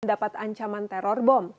mendapat ancaman teror bom